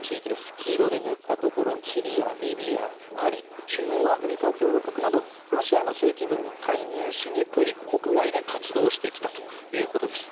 黄色で塗ったシリア、リビアマリ、中央アフリカ共和国などロシアの正規軍が介入しにくい国外で活動してきたということです。